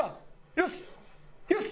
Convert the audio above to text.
よしよし！